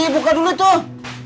buka dulu tuh